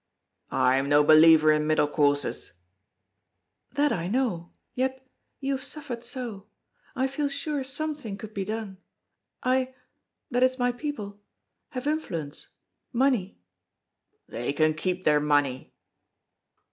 "I'm no believer in middle courses!" "That I know. Yet you have suffered so I feel sure something could be done! I that is my people have influence money " "They can keep their money."